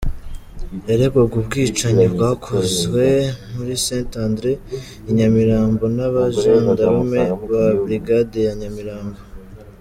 Yaregwaga ubwicanyi bwakozwe muri Saint André i Nyamirambo n’abajandarume ba Brigade ya Nyamirambo.